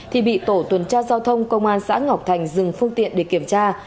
thì bị tổ tuần tra giao thông công an xã ngọc thành dừng phương tiện để kiểm tra